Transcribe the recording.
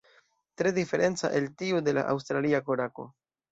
Tre diferenca el tiu de la Aŭstralia korako.